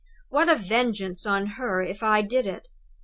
What a vengeance on her, if I did it!